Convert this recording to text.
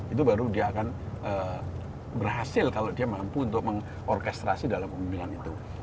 itu baru dia akan berhasil kalau dia mampu untuk mengorkestrasi dalam pemimpinan itu